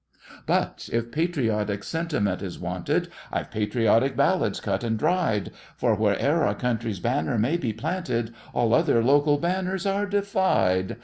But if patriotic sentiment is wanted, I've patriotic ballads cut and dried; For where'er our country's banner may be planted, All other local banners are defied!